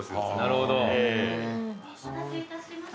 お待たせいたしました。